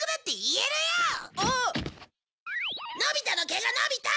「のび太の毛が伸びた」！